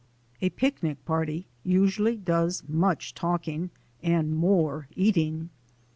A picnic party usually does much talking and more eating.